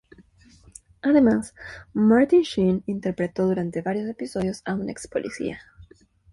Además, Martin Sheen interpretó durante varios episodios a un ex-policía.